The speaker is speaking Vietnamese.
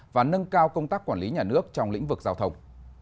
và nâng cao công tác quản lý nhà nước trong lĩnh vực giao thông